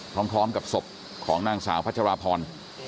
พร้อมกับศพของนางสาวพัชราพร